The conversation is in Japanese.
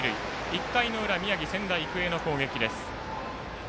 １回の裏宮城、仙台育英の攻撃です。